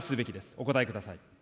お答えください。